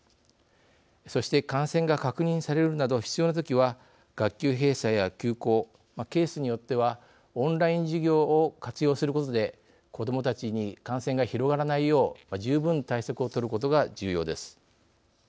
そして、感染が確認されるなど必要なときは学級閉鎖や休校ケースによってはオンライン授業を活用することで子どもたちに感染が広がらないよう十分、対策をとることが重要です。